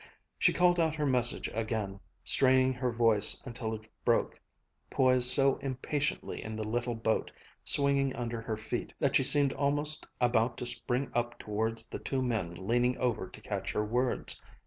She called out her message again, straining her voice until it broke, poised so impatiently in the little boat, swinging under her feet, that she seemed almost about to spring up towards the two men leaning over to catch her words.